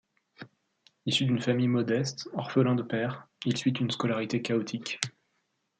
Issu d'une famille modeste, orphelin de père, il suit une scolarité chaotique.